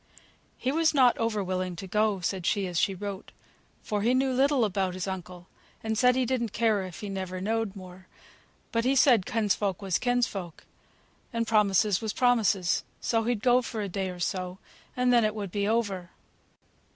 "He was not over willing to go," said she, as she wrote, "for he knew little about his uncle, and said he didn't care if he never knowed more. But he said kinsfolk was kinsfolk, and promises was promises, so he'd go for a day or so, and then it would be over."